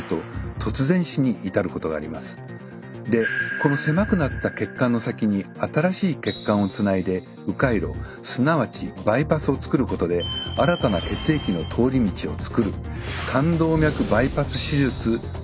この狭くなった血管の先に新しい血管をつないで迂回路すなわちバイパスを作ることで新たな血液の通り道を作る「冠動脈バイパス手術」と言われるものです。